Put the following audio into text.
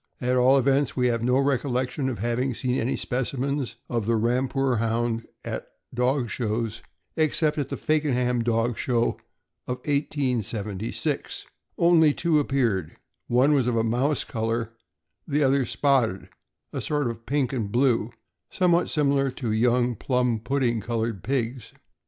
At all events, we have no recollection of having seen any specimens of the Rampur Hound at our dog shows, except at the Fakenham Dog Show of 1876. Only two appeared; one was of a mouse color, the other spotted, a sort of pink aud blue, somewhat similar to young plum pudding colored pigs.